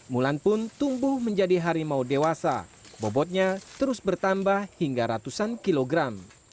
mulan pun tumbuh menjadi harimau dewasa bobotnya terus bertambah hingga ratusan kilogram